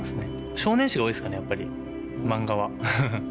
少年誌が多いですかね、やっぱり、漫画は。